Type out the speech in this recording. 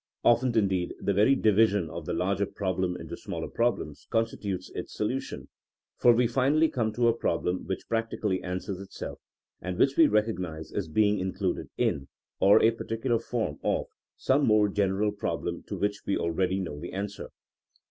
Often, indeed, the very division of the larger problem into smaller problems constitutes its solution, for we finally come to a problem which practically answers itself, and which we recog nize as being included in, or a particular form of, some more general problem to which we al ready know the answer.